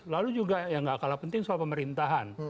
lalu juga yang gak kalah penting soal pemerintahan